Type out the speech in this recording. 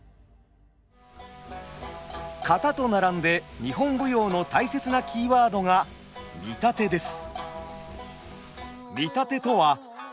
「型」と並んで日本舞踊の大切なキーワードが「見立て」です。